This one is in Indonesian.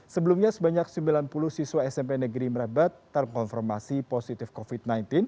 sebelumnya sebanyak sembilan puluh siswa smp negeri merebet terkonfirmasi positif covid sembilan belas